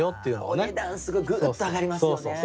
お値段すごいぐーっと上がりますよね。